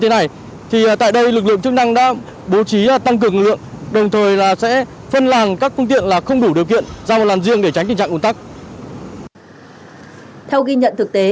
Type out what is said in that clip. theo ghi nhận thực tế lực lượng chức năng đã bố trí lực lượng trăng các dây và barrier tại các làn đường vào thành phố